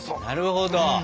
なるほど。